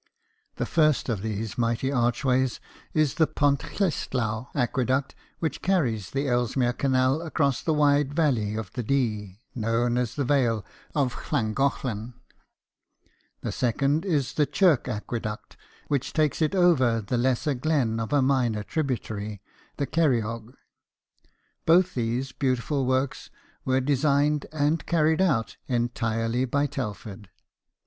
The first of these mighty archways is the Pont Cysylltau aqueduct which carries the Ellesmere Canal across the wide valley of the Dee, known as the Vale of Llangollen ; the second is the Chirk aqueduct, which takes it over the lesser glen of a minor tributary, the Ceriog. Both these beautiful 20 BIOGRAPHIES OF WORKING MEN. works were designed and carried out entirely by Telford.